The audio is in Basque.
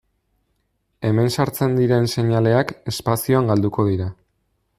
Hemen sartzen diren seinaleak espazioan galduko dira.